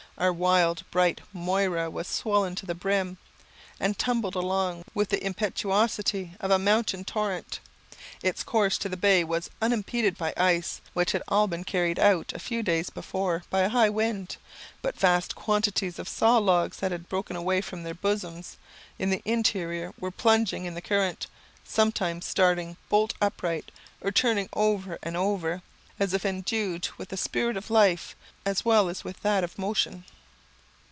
Our wild, bright Moira was swollen to the brim, and tumbled along with the impetuosity of a mountain torrent. Its course to the bay was unimpeded by ice, which had been all carried out a few days before by a high wind; but vast quantities of saw logs that had broken away from their bosoms in the interior were plunging in the current, sometimes starting bolt upright, or turning over and over, as if endued with the spirit of life, as well as with that of motion.